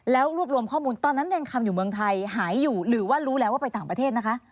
แล้วรวบรวมข้อมูลตอนนั้นเนรคำอยู่เมืองไทยหายอยู่หรือว่ารู้แล้วว่าไปต่างประเทศนะคะ